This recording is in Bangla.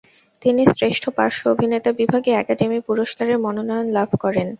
তিনি শ্রেষ্ঠ পার্শ্ব অভিনেতা বিভাগে একাডেমি পুরস্কারের মনোনয়ন লাভ করেন।